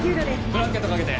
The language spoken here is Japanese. ブランケット掛けて。